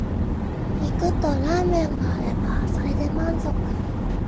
肉とラーメンがあればそれで満足